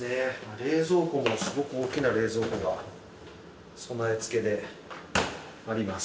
冷蔵庫もすごく大きな冷蔵庫が備えつけであります。